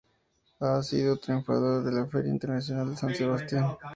Ha sido triunfador de la Feria Internacional de San Sebastián.